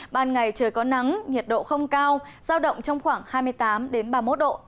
ban ngày trời có nắng nhiệt độ không cao giao động trong khoảng hai mươi tám ba mươi một độ